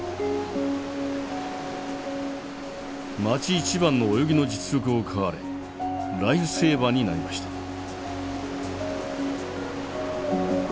町一番の泳ぎの実力を買われライフセーバーになりました。